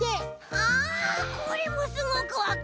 あこれもすごくわかる。